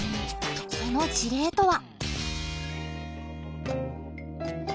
その事例とは。